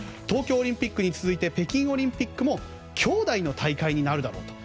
東京オリンピックに続いて北京オリンピックもきょうだいの大会になるだろう。